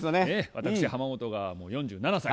私浜本がもう４７歳。